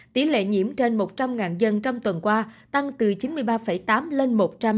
tỷ lệ nhiễm trên một trăm linh dân trong tuần qua tăng từ chín mươi ba tám lên một trăm linh bảy ba